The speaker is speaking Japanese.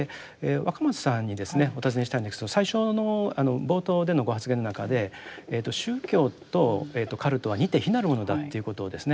若松さんにお尋ねしたいんですけど最初の冒頭でのご発言の中で宗教とカルトは似て非なるものだということをですね